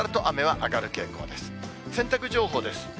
洗濯情報です。